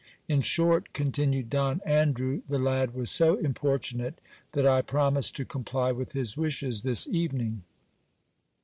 In short, continued Don Andrew, the lad was so importunate, that I promised to comply with his wishes this evening.